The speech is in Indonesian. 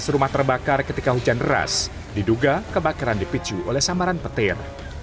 dua ratus rumah terbakar ketika hujan deras diduga kebakaran dipicu oleh samaran petir